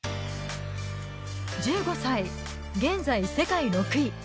１５歳、現在世界６位。